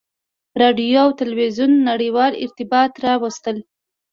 • راډیو او تلویزیون نړیوال ارتباطات راوستل.